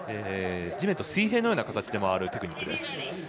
地面と水平のような形で回るテクニックです。